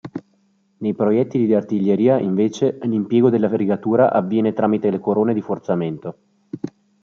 Nei proiettili di artiglieria invece l'impegno della rigatura avviene tramite le corone di forzamento.